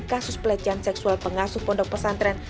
kasus pelecehan seksual pengasuh pondok pesantren